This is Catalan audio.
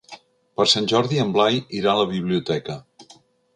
Per Sant Jordi en Blai irà a la biblioteca.